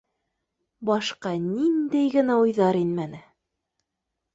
Башҡа ниндәй генә уйҙар инмәне!